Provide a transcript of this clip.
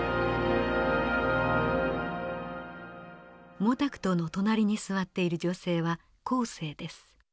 毛沢東の隣に座っている女性は江青です。